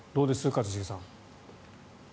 一茂さん。